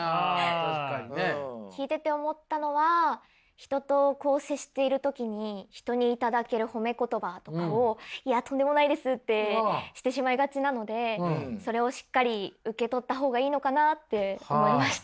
聞いてて思ったのは人と接している時に人に頂ける褒め言葉とかを「いやとんでもないです」ってしてしまいがちなのでそれをしっかり受け取った方がいいのかなって思いました。